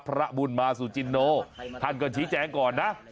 พระบุญมาสุจินโนท่านก็ชี้แจงก่อนนะ